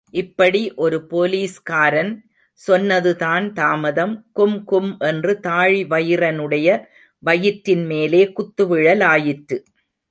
இப்படி ஒரு போலீஸ்காரன் சொன்னதுதான் தாமதம், கும்கும் என்று தாழிவயிறனுடைய வயிற்றின் மேலே குத்து விழலாயிற்று.